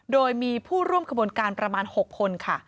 โดยมีผู้ร่วมขบวนการประมาณ๖คนค่ะ